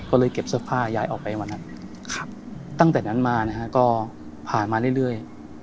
ก็เลยเก็บเสื้อผ้าย้ายออกไปวันนั้นตั้งแต่นั้นมานะฮะก็ผ่านมาเรื่อย